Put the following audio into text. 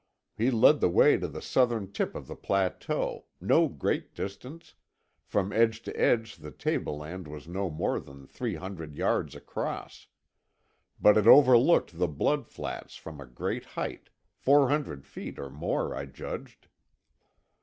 He led the way to the southern tip of the plateau; no great distance—from edge to edge the tableland was no more than three hundred yards across. But it overlooked the Blood Flats from a great height, four hundred feet or more, I judged.